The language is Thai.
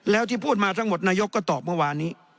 แล้วที่พูดมาทั้งหมดนายกก็ตอบเมื่อวานนี้